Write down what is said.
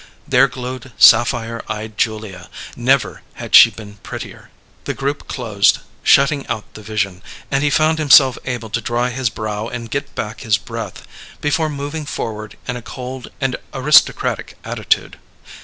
There glowed sapphire eyed Julia; never had she been prettier. The group closed, shutting out the vision, and he found himself able to dry his brow and get back his breath before moving forward in a cold and aristocratic attitude.